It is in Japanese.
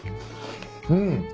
うん。